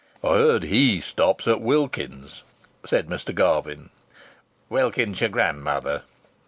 "I heard he stops at Wilkins's," said Mr. Garvin. "Wilkins's your grandmother!"